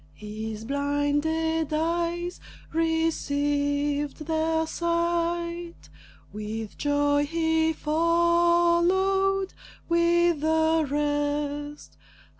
His blinded eyes received their sight; With joy he followed with the rest.